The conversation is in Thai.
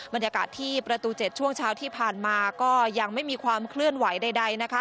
บรรยากาศที่ประตู๗ช่วงเช้าที่ผ่านมาก็ยังไม่มีความเคลื่อนไหวใดนะคะ